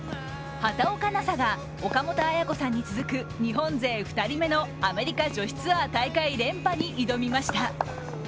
畑岡奈紗が岡本綾子さんに続く日本勢２人目のアメリカ女子ツアー大会連覇に挑みました。